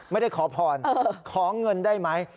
ไม่ได้ขอพรขอเงินได้ไหม